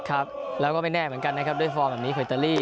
ครับแล้วก็ไม่แน่เหมือนกันนะครับด้วยฟอร์มแบบนี้ของอิตาลี